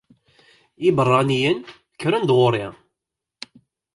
Iberraniyen kkren-d ɣur-i.